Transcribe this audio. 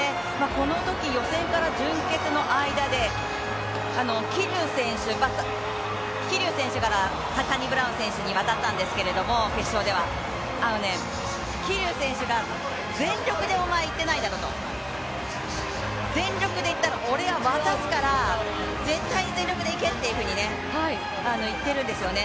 このとき予選から準決の間で桐生選手からサニブラウン選手に渡ったんですけれども、決勝では、桐生選手が、全力でお前いってないだろと、全力でいったら俺が渡すから、絶対に全力でいけって言ってるんですよね。